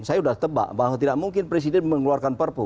saya sudah tebak bahwa tidak mungkin presiden mengeluarkan perpu